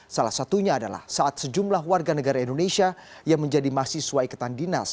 salah satunya adalah saat sejumlah warga negara indonesia yang menjadi mahasiswa ikatan dinas